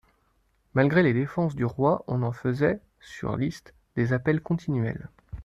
Malgré les défenses du roi, on en faisait, sur listes, des appels continuels.